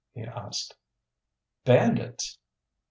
he asked. "Bandits!"